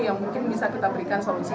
yang mungkin bisa kita berikan solusi